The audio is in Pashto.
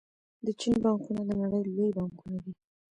د چین بانکونه د نړۍ لوی بانکونه دي.